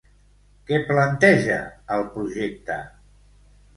Què planteja el projecte?